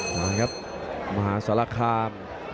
มาครับมหาสัลคาร์ม